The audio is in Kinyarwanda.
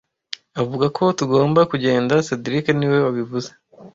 Avuga ko tugomba kugenda cedric niwe wabivuze